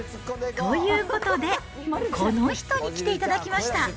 ということで、この人に来ていただきました。